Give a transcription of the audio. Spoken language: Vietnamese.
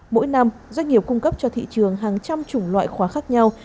mỗi năm doanh nghiệp cung cấp cho thị trường hàng trăm chủng loại khóa khác nhau